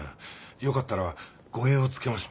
よかったら護衛をつけましょう。